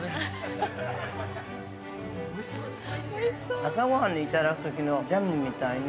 ◆朝ごはんにいただくときのジャムみたいね。